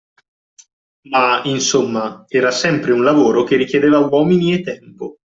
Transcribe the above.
Ma, insomma, era sempre un lavoro che richiedeva uomini e tempo